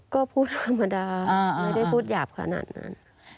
ก็พูดธรรมดาไม่ได้พูดหยาบขนาดนั้น